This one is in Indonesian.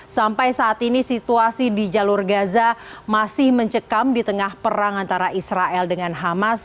sampai saat ini situasi di jalur gaza masih mencekam di tengah perang antara israel dengan hamas